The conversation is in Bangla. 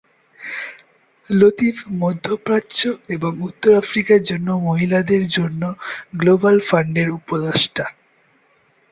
লতিফ মধ্যপ্রাচ্য এবং উত্তর আফ্রিকার জন্য মহিলাদের জন্য গ্লোবাল ফান্ডের উপদেষ্টা।